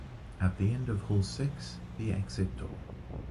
At the end of hall six, the exit door.